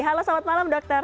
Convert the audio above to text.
halo selamat malam dokter